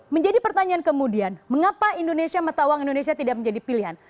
menjadi pertanyaan kemudian mengapa mata uang indonesia tidak menjadi pilihan